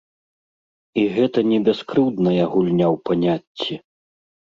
І гэта не бяскрыўдная гульня ў паняцці.